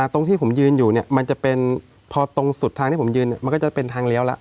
ตรงที่ผมยืนอยู่เนี่ยมันจะเป็นพอตรงสุดทางที่ผมยืนมันก็จะเป็นทางเลี้ยวแล้ว